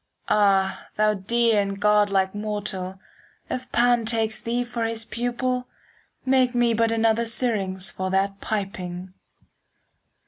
Ah, thou dear and godlike mortal, 5 If Pan takes thee for his pupil, Make me but another Syrinx For that piping.